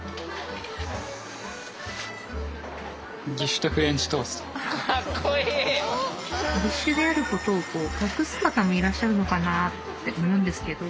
義手であることを隠す方もいらっしゃるのかなと思うんですけど。